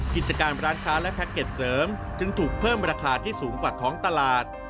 กิจการร้านค้าและแพ็คเก็ตเสริมจึงถูกเพิ่มราคาที่สูงกว่าท้องตลาด